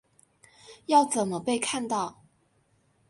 要怎么被看到